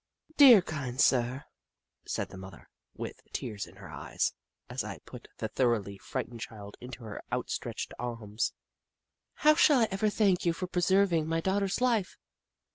" Dear sir, kind sir," said the mother, with tears in her eyes, as I put the thoroughly frightened child into her outstretched arms, " how shall I ever thank you for preserving my daughter's life